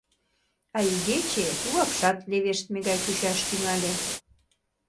А игече тугакшат левештме гай чучаш тӱҥале.